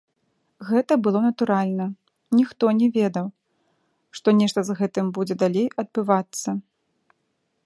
Гэта было натуральна, ніхто не ведаў, што нешта з гэтым будзе далей адбывацца.